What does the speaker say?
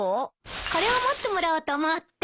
これを持ってもらおうと思って。